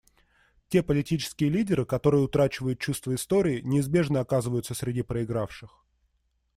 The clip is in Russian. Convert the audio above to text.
Те политические лидеры, которые утрачивают чувство истории, неизбежно оказываются среди проигравших.